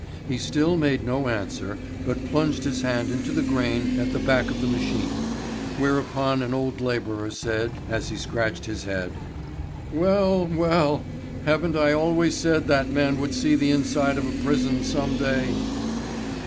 He still made no answer, but plunged his hand into the grain at the back of the machine, whereupon an old labourer said, as he scratched his head: "Well, well; haven't I always said that man would see the inside of a prison some day?"